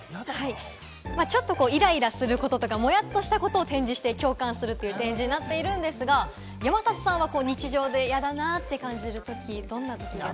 ちょっとイライラすることとか、もやっとしたことを展示して共感するという展示になっているんですが、山里さんは日常でやだなーって感じるとき、どんなときですか？